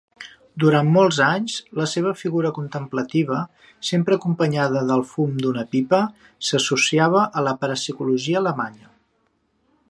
Durant molts anys, la seva figura contemplativa, sempre acompanyada del fum d'una pipa, s'associava a la parapsicologia alemanya.